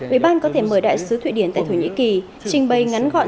ủy ban có thể mời đại sứ thụy điển tại thổ nhĩ kỳ trình bày ngắn gọn